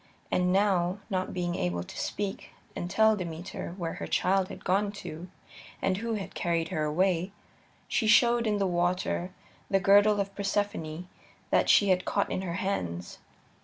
And now, not being able to speak and tell Demeter where her child had gone to and who had carried her away, she showed in the water the girdle of Persephone that she had caught in her hands.